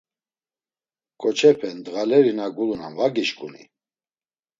“Ǩoçepe ndğaleri na gulunan va gişǩuni?”